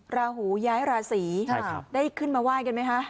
ระหูย้ายราศรีครับใช่ครับได้ขึ้นมาไหว้กันไหมฮะ